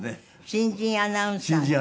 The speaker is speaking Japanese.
新人アナウンサー。